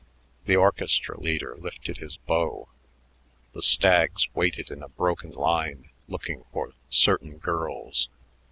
The orchestra leader lifted his bow. The stags waited in a broken line, looking for certain girls.